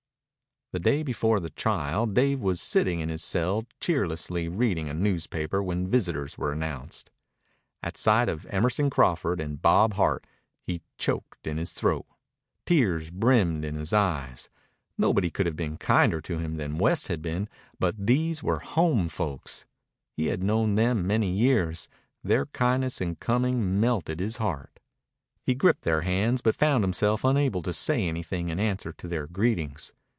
The day before the trial Dave was sitting in his cell cheerlessly reading a newspaper when visitors were announced. At sight of Emerson Crawford and Bob Hart he choked in his throat. Tears brimmed in his eyes. Nobody could have been kinder to him than West had been, but these were home folks. He had known them many years. Their kindness in coming melted his heart. He gripped their hands, but found himself unable to say anything in answer to their greetings.